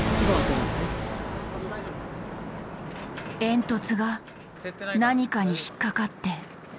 煙突が何かに引っ掛かって動かない。